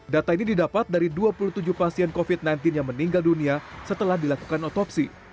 data ini didapat dari dua puluh tujuh pasien covid sembilan belas yang meninggal dunia setelah dilakukan otopsi